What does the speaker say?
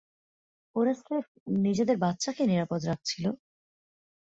ওরা স্রেফ নিজেদের বাচ্চাকে নিরাপদ রাখছিল।